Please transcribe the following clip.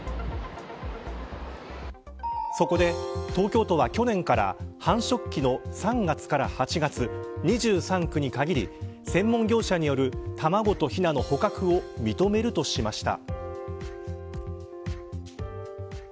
そこで東京都は去年から繁殖期の３月から８月２３区に限り専門業者による卵とひなの捕獲を認めるとしました。